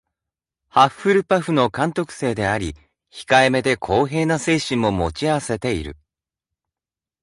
ハッフルパフの監督生であり、控えめで公平な精神も持ち合わせている。